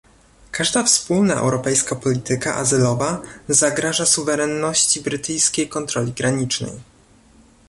Każda wspólna europejska polityka azylowa zagraża suwerenności brytyjskiej kontroli granicznej